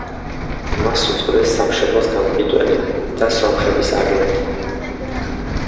მას უწოდეს „სამშობლოს გამყიდველი“ და „სომხების აგენტი“.